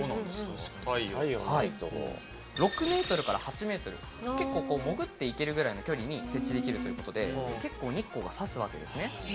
６ｍから８ｍ結構潜って行けるぐらいの距離に設置できるということで結構日光が差すわけですね。